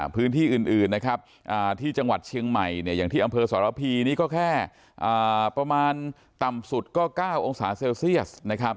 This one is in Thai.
พื้นที่อื่นที่จังหวัดเชียงใหม่อย่างที่อำเภอสรพีก็แค่ประมาณต่ำสุดก็๙องศาเซลเซียส